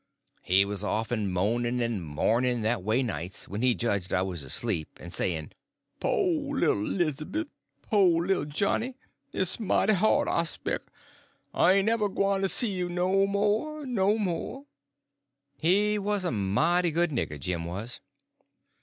He was often moaning and mourning that way nights, when he judged I was asleep, and saying, "Po' little 'Lizabeth! po' little Johnny! it's mighty hard; I spec' I ain't ever gwyne to see you no mo', no mo'!" He was a mighty good nigger, Jim was.